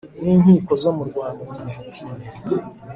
n inkiko zo mu Rwanda zibifitiye